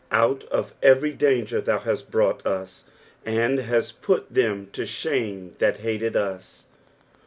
Out of ever; danger thou hast brought us. "And kmt put them lo ihame that hated tit."